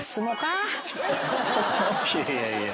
いやいやいや。